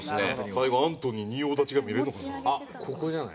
最後アントニー仁王立ちが見れるのかな？